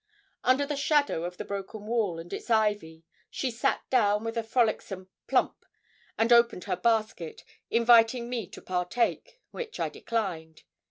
Under the shadow of the broken wall, and its ivy, she sat down with a frolicsome plump, and opened her basket, inviting me to partake, which I declined.